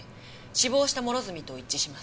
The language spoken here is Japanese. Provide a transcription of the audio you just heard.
死亡した諸角と一致します。